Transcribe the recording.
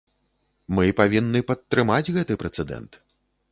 Мы павінны падтрымаць гэты прэцэдэнт.